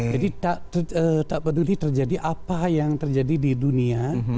jadi tak peduli terjadi apa yang terjadi di dunia